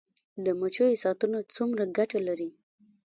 د مچیو ساتنه څومره ګټه لري؟